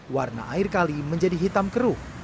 warna air kali menjadi hitam keruh